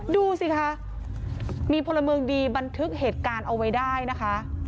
ดูสิคะมีพลเมืองดีบันทึกเหตุการณ์เอาไว้ได้นะคะ